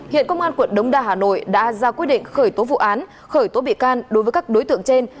hiện công an quận đống đa hà nội đã ra quyết định khởi tố vụ án khởi tố bị can đối với các đối tượng trên